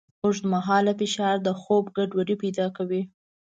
اوږدمهاله فشار د خوب ګډوډۍ پیدا کوي.